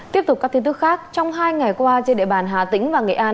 tiếp tục các tin tức khác trong hai ngày qua trên địa bàn hà tĩnh và nghệ an